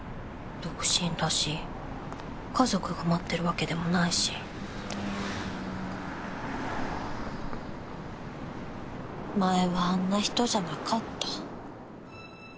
独身だし家族が待ってるわけでもないし前はあんな人じゃなかった。